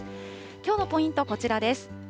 きょうのポイント、こちらです。